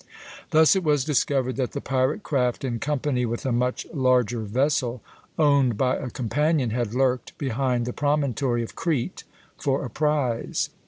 Thus it was discovered that the pirate craft, in company with a much larger vessel, owned by a companion, had lurked behind the promontory of Crete for a prize.